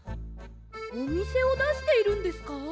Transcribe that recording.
おみせをだしているんですか？